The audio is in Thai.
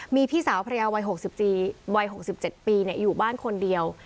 มีพี่สาวภรรยาวัย๖๗ปีอยู่บ้านคนเดียว